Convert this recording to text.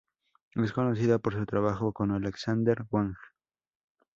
Es conocida por su trabajo con Alexander Wang.